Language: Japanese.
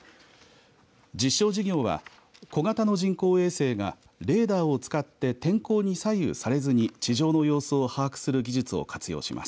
実証事業は小型の人工衛星がレーダーを使って天候に左右されずに地上の様子を把握する技術を活用します。